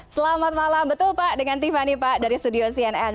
selamat malam betul pak dengan tiffany pak dari studio cnn